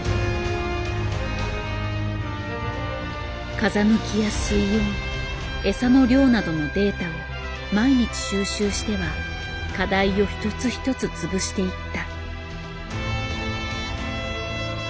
風向きや水温餌の量などのデータを毎日収集しては課題を一つ一つ潰していった。